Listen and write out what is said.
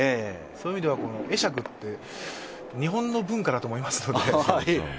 そういう意味では会釈って、日本の文化だと思いますので。